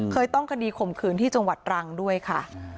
เคยต้องคดีข่มขืนที่จังหวัดตรังด้วยค่ะ